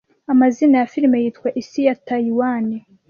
amazina ya firime yitwa Isi ya Tayiwani